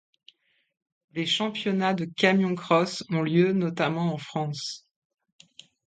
Des championnats de camion cross ont lieu notamment en France.